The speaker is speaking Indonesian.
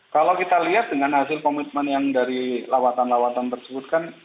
kalau kita lihat dengan hasil komitmen yang dari lawatan lawatan tersebut kan